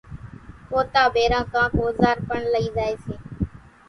پوتا ڀيران ڪانڪ اوزار پڻ لئي زائي سي